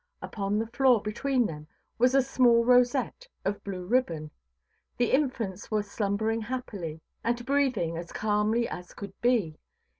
Upon the floor between them was a small rosette of blue ribbon. The infants were slumbering happily; and breathing as calmly as could be.